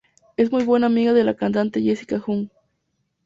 Es muy buena amiga de la cantante Jessica Jung.